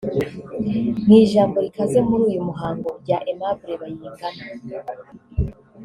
Mu ijambo ry’ikaze muri uyu muhango rya Aimable Bayingana